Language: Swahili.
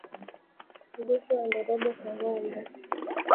Ugonjwa wa Ndorobo kwa ngombe